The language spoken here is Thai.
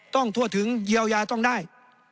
ทั่วถึงเยียวยาต้องได้